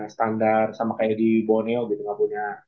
standar sama kayak di borneo gitu gak punya